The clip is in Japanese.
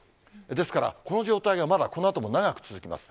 ですから、この状態が、まだこのあとも長く続きます。